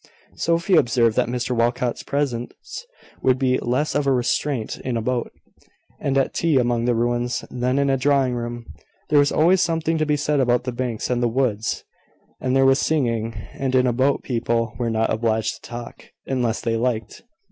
Sophia observed that Mr Walcot's presence would be less of a restraint in a boat, and at tea among the ruins, than in the drawing room: there was always something to be said about the banks and the woods; and there was singing; and in a boat people were not obliged to talk unless they liked.